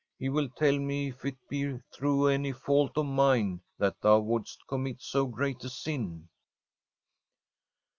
He will tell me if it be through any fault of mine that thou wouldest commit so great a sin.'